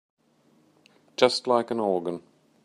Just like an organ.